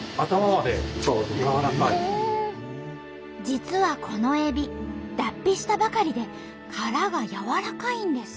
実はこのえび脱皮したばかりで殻がやわらかいんです。